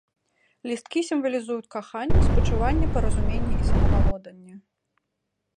Лісткі сімвалізуюць каханне, спачуванне, паразуменне і самавалоданне.